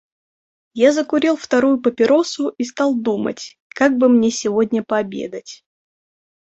Я закурил вторую папиросу и стал думать, как бы мне сегодня пообедать.